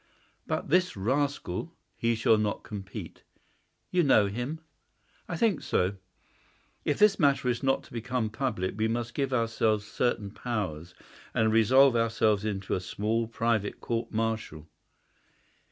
"But this rascal——?" "He shall not compete." "You know him?" "I think so. If this matter is not to become public we must give ourselves certain powers, and resolve ourselves into a small private court martial.